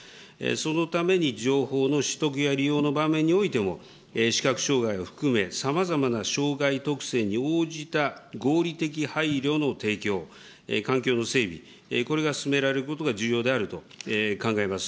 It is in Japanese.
そのために情報の取得や利用の場面においても、視覚障害を含め、さまざまな障害特性に応じた合理的配慮の提供、環境の整備、これが進められることが重要であると考えます。